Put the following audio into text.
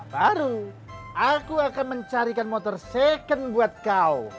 baru aku akan mencarikan motor second buat kau